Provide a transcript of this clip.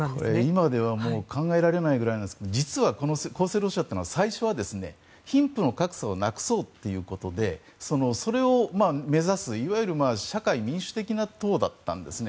今では考えられないぐらいなんですが実はこの公正ロシアというのは最初は貧富の格差をなくそうということでそれを目指す、いわゆる社会民主的な党だったんですね。